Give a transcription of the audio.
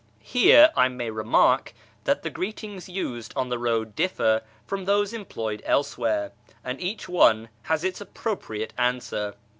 "). Here I may remark tliat the greetings used on the road dil'ler from tliose employed elsewhere, and each one has its appropriate answer.